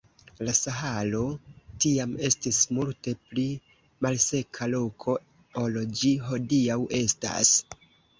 La Saharo tiam estis multe pli malseka loko ol ĝi hodiaŭ estas.